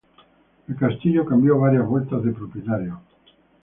El castillo cambió varias vueltas de propietario.